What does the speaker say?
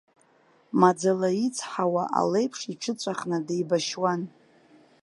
Маӡала ицҳауа алеиԥш, иҽыҵәахны деибашьуан.